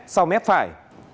sau mép phải